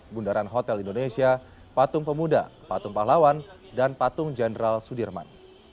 bundaran hotel indonesia patung pemuda patung pahlawan dan patung jenderal sudirman